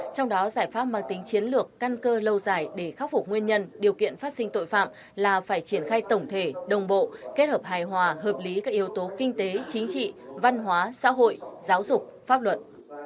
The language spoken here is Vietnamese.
trong đó giải pháp mang tính chiến lược căn cơ lâu dài để khắc phục nguyên nhân điều kiện phát sinh tội phạm là phải triển khai tổng thể đồng bộ kết hợp hài hòa hợp lý các yếu tố kinh tế chính trị văn hóa xã hội giáo dục pháp luật